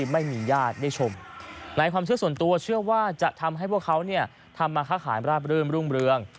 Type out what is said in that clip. ไม่มีญาติได้ชมในความเชื่อส่วนตัวเชื่อว่าจะทำให้พวกเขาเนี่ยทำมาค้าขายราบรื่นรุ่งเรือง